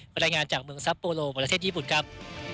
รายงานจากเมืองซับโปโลประเทศญี่ปุ่นครับ